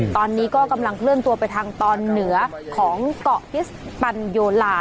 ตอนนี้ก็กำลังเคลื่อนตัวไปทางตอนเหนือของเกาะกิสปัญโยลา